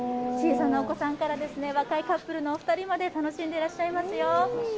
小さなお子さんから若いカップルお二人まで、楽しんでいらっしゃいますよ。